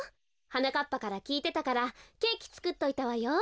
はなかっぱからきいてたからケーキつくっといたわよ。